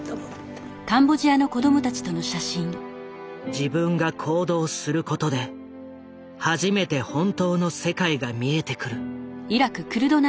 自分が行動することで初めて本当の世界が見えてくる。